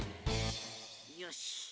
よし。